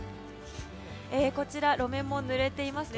こちら、路面もぬれていますね。